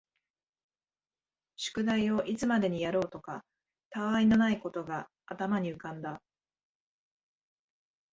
宿題をいつまでにやろうかとか、他愛のないことが頭に浮んだ